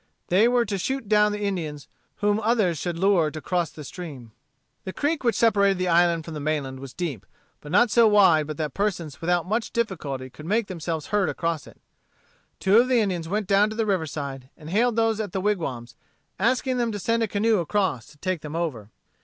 They were to shoot down the Indians whom others should lure to cross the stream. The creek which separated the island from the mainland was deep, but not so wide but that persons without much difficulty could make themselves heard across it. Two of the Indians went down to the river side, and hailed those at the wigwams, asking them to send a canoe across to take them over.